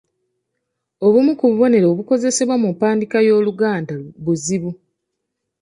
Obumu ku bubonero obukozesebwa mu mpandiika y’Oluganda buzibu.